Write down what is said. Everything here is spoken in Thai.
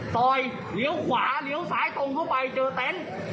สอยเหลียวขวาเหลียวซ้ายทงทั่วไปเจอต๊น